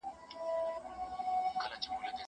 اور دي په کلي مرګ دي په خونه